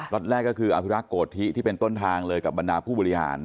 ็ตแรกก็คืออภิรักษ์โกธิที่เป็นต้นทางเลยกับบรรดาผู้บริหาร